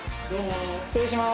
失礼します。